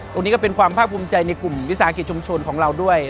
ก็เป็นความภาคภูมิใจในกลุ่มวิสาหกิจชุมชนของเราด้วย